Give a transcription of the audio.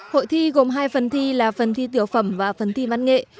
hội thi gồm hai phần thi là phần thi tiểu phẩm và phần thi văn nghệ